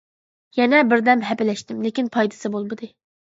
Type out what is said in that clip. يەنە بىردەم ھەپىلەشتىم، لېكىن پايدىسى بولمىدى.